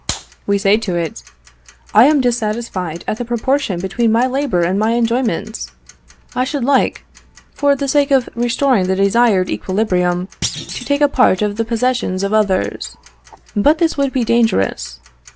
We say to it, "I am dissatisfied at the proportion between my labour and my enjoyments. I should like, for the sake of restoring the desired equilibrium, to take a part of the possessions of others. But this would be dangerous.